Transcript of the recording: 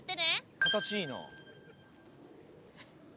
形いいな。